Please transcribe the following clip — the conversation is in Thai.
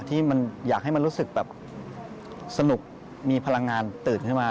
ที่มันอยากให้มันรู้สึกแบบสนุกมีพลังงานตื่นขึ้นมา